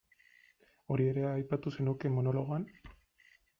Hori ere aipatuko zenuke monologoan?